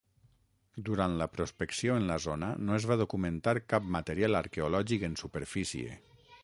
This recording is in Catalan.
Durant la prospecció en la zona no es va documentar cap material arqueològic en superfície.